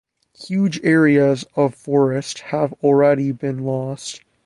Huge areas of forest have already been lost.